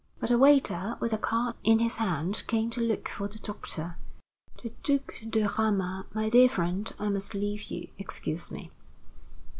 But a waiter, with a card in his hand, came to look for the doctor. "The Duc de Ramas, my dear friend. I must leave you. Excuse me."